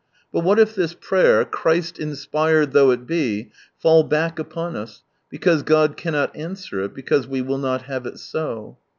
But what if this prayer, Christ inspired though it be, fait back upon us, because God cannot answer it, because we will not have it so